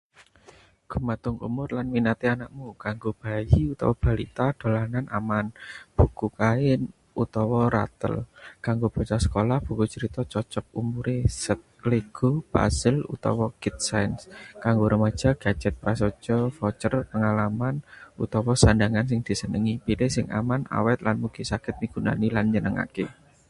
Gumantung umur lan minaté anakmu. Kanggo bayi utawa balita: dolanan aman, buku kain, utawa rattle. Kanggo bocah sekolah: buku cerita cocok umure, set LEGO, puzzle, utawa kit sains. Kanggo remaja: gadget prasaja, voucher pengalaman, utawa sandhangan sing disenengi. Pilih sing aman, awet, lan mugi saged migunani lan nyenengake.